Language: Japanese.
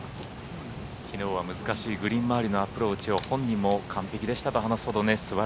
きのうは難しいグリーン周りのアプローチも本人も完璧でしたと話すほどで。